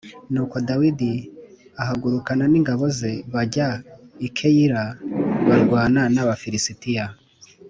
Nuko Dawidi ahagurukana n’ingabo ze bajya i Keyila barwana n’Abafilisitiya